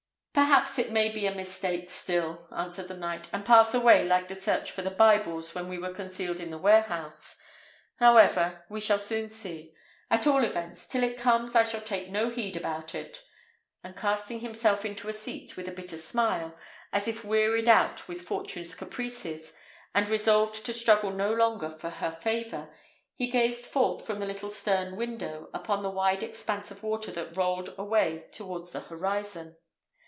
"Perhaps it may be a mistake still," answered the knight, "and pass away like the search for the Bibles when we were concealed in the warehouse. However, we shall soon see: at all events, till it comes I shall take no heed about it;" and casting himself into a seat, with a bitter smile, as if wearied out with Fortune's caprices, and resolved to struggle no longer for her favour, he gazed forth from the little stern window upon the wide expanse of water that rolled away towards the horizon.